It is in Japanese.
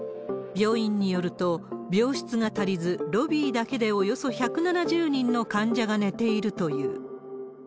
病院によると、病室が足りず、ロビーだけでおよそ１７０人の患者が寝ているという。